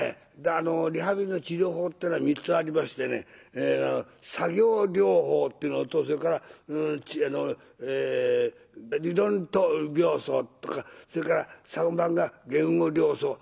リハビリの治療法っていうのは３つありましてね作業療法っていうのとそれから理論とかそれから３番が言語療法